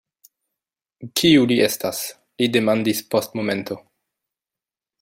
Kiu li estas? li demandis post momento.